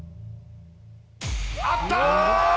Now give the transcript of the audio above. あった！